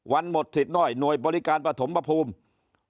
วันหมดสิทธิ์ด้วยหน่วยบริการปฐมพระภูมิ